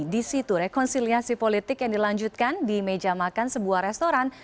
di situ rekonsiliasi politik yang dilanjutkan di meja makan sebuah restoran